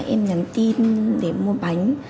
em nhắn tin để mua bánh